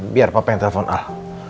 biar papa yang telepon ah